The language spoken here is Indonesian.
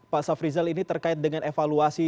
pak sof rizal ini terkait dengan evaluasi